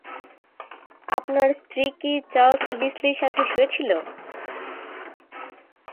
আপনার স্ত্রী কি চার্লস লিসলির সাথে শুয়েছিল?